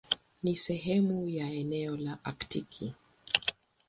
Ni sehemu ya eneo la Aktiki.